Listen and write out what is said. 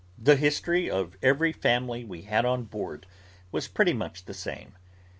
The history of every family we had on board was pretty much the same.